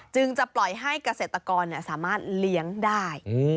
จะปล่อยให้เกษตรกรสามารถเลี้ยงได้